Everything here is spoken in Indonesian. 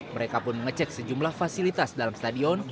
mereka pun mengecek sejumlah fasilitas dalam stadion